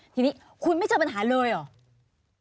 ทีนี้คุณไม่เจอปัญหาเลยเหรอ